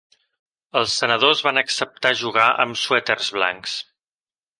Els senadors van acceptar jugar amb suèters blancs.